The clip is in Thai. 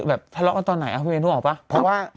แบบทะเลาะกันตอนไหนเอาไปเมนูหรือเปล่า